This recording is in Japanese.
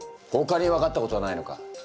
ほかに分かったことはないのか？